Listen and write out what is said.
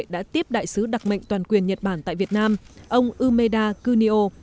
đã tiếp đại sứ đặc mệnh toàn quyền nhật bản tại việt nam ông umeda kunio